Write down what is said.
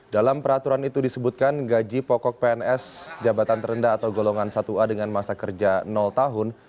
dalam peraturan itu disebutkan gaji pokok pns jabatan terendah atau golongan satu a dengan masa kerja tahun